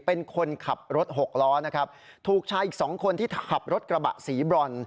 เป็นคนขับรถหกล้อนะครับถูกชายอีกสองคนที่ขับรถกระบะสีบรอน